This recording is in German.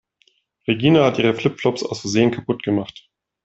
Regina hat ihre Flip-Flops aus Versehen kaputt gemacht.